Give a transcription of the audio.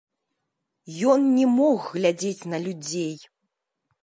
Ён не мог глядзець на людзей.